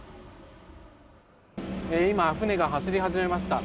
今、船が走り始めました。